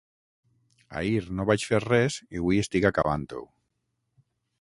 Ahir no vaig fer res, i hui estic acabant-ho.